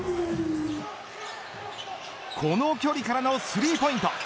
この距離からのスリーポイント。